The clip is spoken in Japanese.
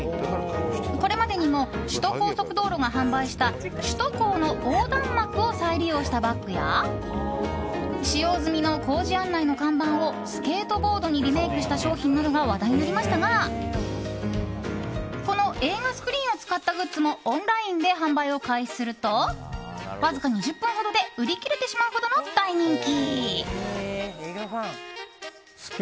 これまでにも首都高速道路が販売した首都高の横断幕を再利用したバッグや使用済みの工事案内の看板をスケートボードにリメイクした商品などが話題になりましたがこの映画スクリーンを使ったグッズもオンラインで販売を開始するとわずか２０分ほどで売り切れてしまうほどの大人気。